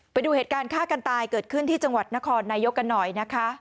ไปดูเหตุการณ์ฆ่ากันตายเกิดขึ้นที่จังหวัดนครนายกกันหน่อยนะคะ